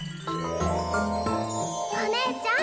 お姉ちゃん！